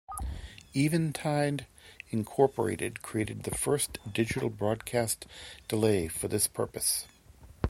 Eventide, Incorporated created the first digital broadcast delay for this purpose.